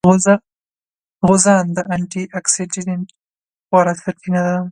غوزان د انټي اکسیډېنټ غوره سرچینه ده.